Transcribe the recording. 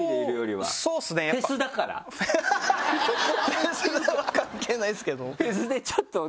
フェスは関係ないですけど。